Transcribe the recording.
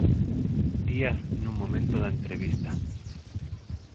Díaz nun momento da entrevista.